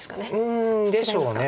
うんでしょう。